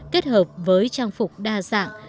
kết hợp với trang phục đa dạng